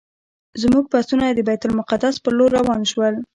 زموږ بسونه د بیت المقدس پر لور روان شول.